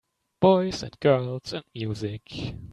Boys and girls and music.